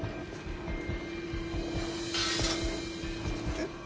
えっ？